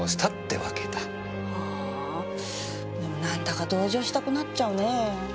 はぁんでも何だか同情したくなっちゃうねぇ。